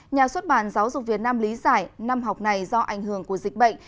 nhà xuất bản giáo dục việt nam lý giải năm học này do ảnh hưởng của dịch bệnh